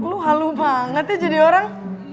lo halu banget ya jadi orang